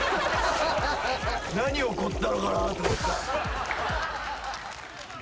何起こったのかなと思った。